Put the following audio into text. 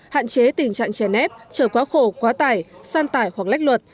hạn chế tình trạng chè nếp trở quá khổ quá tải san tải hoặc lách luật